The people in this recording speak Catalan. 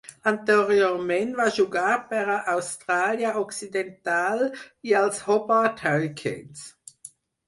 Anteriorment va jugar per a Austràlia Occidental i als Hobart Hurricanes.